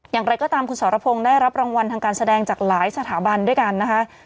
อย่างไรก็ตามคุณสรพงศ์ได้รับรางวัลทางการแสดงจากหลายสถาบันด้วยกันนะคะ